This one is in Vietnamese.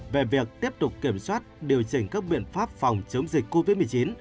về việc tiếp tục kiểm soát điều chỉnh các biện pháp phòng chống dịch covid một mươi chín